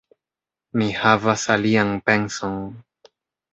Mi havas alian penson.